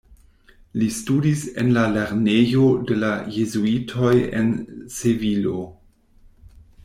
Li studis en la lernejo de la Jezuitoj en Sevilo.